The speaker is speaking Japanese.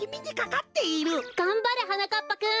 がんばれはなかっぱくん！